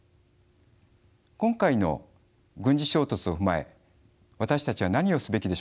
今回の軍事衝突を踏まえ私たちは何をすべきでしょうか？